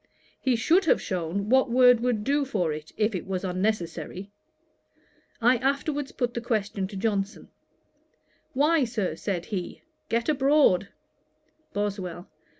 'He should have shewn what word would do for it, if it was unnecessary.' I afterwards put the question to Johnson: 'Why, Sir, (said he,) get abroad.' BOSWELL.